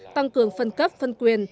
tăng cường phân cấp phân quyền